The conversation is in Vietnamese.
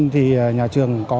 thì nhà trường có